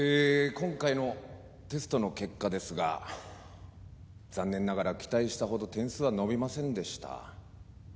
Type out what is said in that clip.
今回のテストの結果ですが残念ながら期待したほど点数は伸びませんでした。